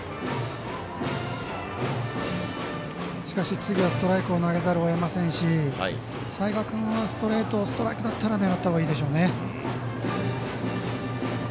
しかし、次はストライクを投げざるをえませんしストレートをストライクだったら狙ったほうがいいですね。